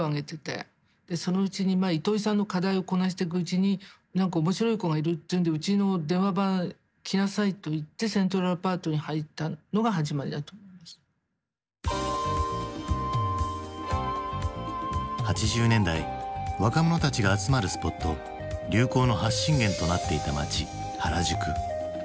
そのうちに糸井さんの課題をこなしてくうちに何か面白い子がいるっていうんでうちの電話番来なさいといって８０年代若者たちが集まるスポット流行の発信源となっていた街原宿。